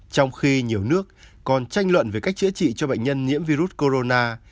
trong khi nhiều nước còn tranh luận về cách chữa trị cho bệnh nhân nhiễm virus corona